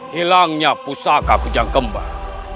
hilangnya pusaka kujang kembal